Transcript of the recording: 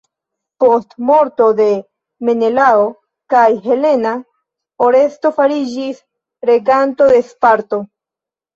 Post morto de Menelao kaj Helena Oresto fariĝis reganto en Sparto.